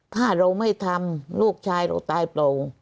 ถ้าเราไม่ทำลูกชายเราตายโปร่ง